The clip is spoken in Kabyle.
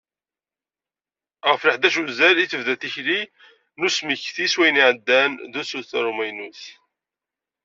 Ɣef leḥdac n uzal, i tebda tikli-a n usmekti s wayen iɛeddan d usuter n umaynut.